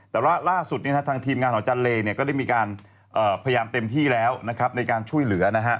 แต่ว่าล่าสุดทางทีมงานของอาจารย์เลก็ได้มีการพยายามเต็มที่แล้วในการช่วยเหลือ